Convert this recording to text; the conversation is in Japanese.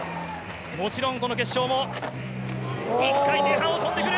もちろんこの決勝も１回転半を飛んでくる！